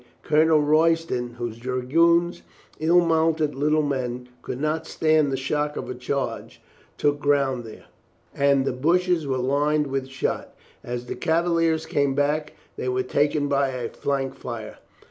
Colonel Royston, whose dragoons, ill mounted little men, could not stand the shock of a charge, took ground there, and the bushes were lined with shot. As the Cavaliers came back, they were taken by a flank fire.